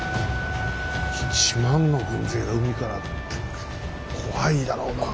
一万の軍勢が海からって怖いだろうなあ。